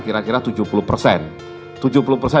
tujuh puluh berarti kita bisa mencari kemampuan